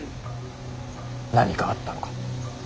何かあったのか？